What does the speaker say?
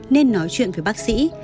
nên nói chuyện với bác sĩ